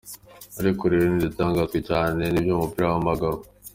Ariko reka ntidutangazwe cane n'ivy'umupira w'amaguru.